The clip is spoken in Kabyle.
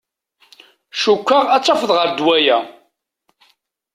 Cukkeɣ ad tafeḍ ɣer ddwa-ya.